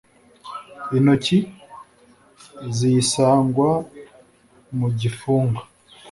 intoki ziyisangwa mu gifunga